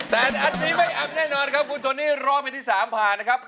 แต่อันนี้ไม่อัพแน่นอนครับคุณโทนี่ร้องเพลงที่๓ผ่านนะครับ